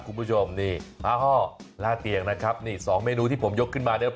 ข้างบัวแห่งสันยินดีต้อนรับทุกท่านนะครับ